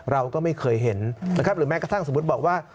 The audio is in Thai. เราก็ไม่เคยเห็นนะครับหรือแม้กระทั่งสมมุติบอกว่า